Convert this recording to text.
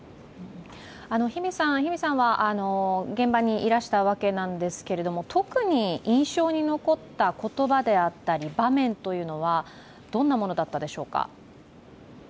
日比さんは現場にいらしたわけなんですけれども特に印象に残った言葉であったり、場面はどんなものだったでしょうか。